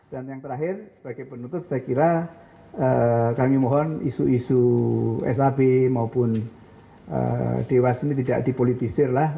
dan yang terakhir sebagai penutup saya kira kami mohon isu isu sab maupun dewas ini tidak dipolitisir lah